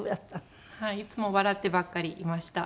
いつも笑ってばっかりいました。